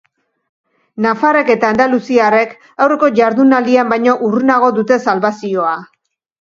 Nafarrek eta andaluziarrek aurreko jardunaldian baino hurrunago dute salbazioa.